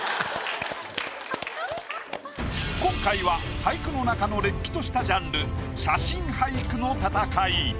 今回は俳句の中のれっきとしたジャンル写真俳句の戦い。